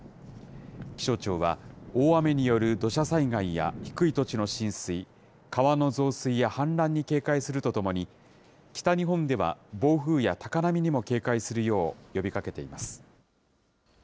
気象庁は、大雨による土砂災害や低い土地の浸水、川の増水や氾濫に警戒するとともに、北日本では暴風や高波にも警戒するよう呼びかけています。